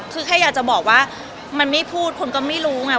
คือแค่อยากจะบอกว่ามันไม่พูดคนก็ไม่รู้ไง